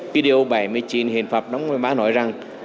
cái điều bảy mươi chín hiện pháp năm hai nghìn một mươi ba nói rằng